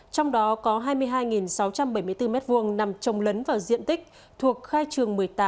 trong đó có hai mươi hai sáu trăm bảy mươi bốn m hai nằm trồng lấn vào diện tích thuộc khai trường một mươi tám